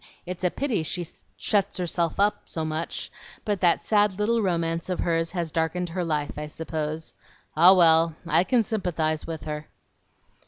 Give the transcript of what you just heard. It's a pity she shuts herself up so much; but that sad little romance of hers has darkened her life, I suppose. Ah, well, I can sympathize with her!"